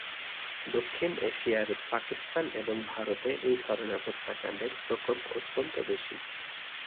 দক্ষিণ এশিয়ার পাকিস্তান এবং ভারতে এই ধরনের হত্যাকাণ্ডের প্রকোপ অত্যন্ত বেশি।